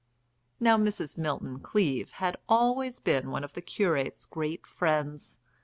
Now Mrs. Milton Cleave had always been one of the curate's great friends.